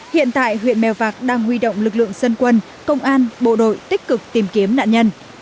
hiện tại huyện mèo vạc đang huy động lực lượng dân quân công an bộ đội tích cực tìm kiếm nạn nhân